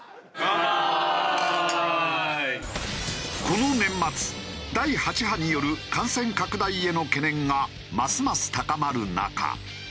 この年末第８波による感染拡大への懸念がますます高まる中。